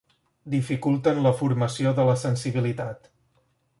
Dificulten la formació de la sensibilitat.